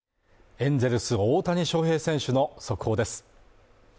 エンゼルス・大谷翔平選手の速報です